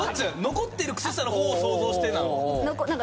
残ってる靴下の方を想像してなの？